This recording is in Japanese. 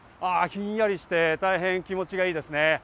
ヒンヤリして大変気持ちがいいですね。